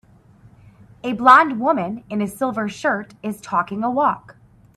A blond woman in a silver shirt is talking a walk.